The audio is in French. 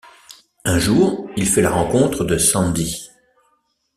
Un jour, il fait la rencontre de Sandy.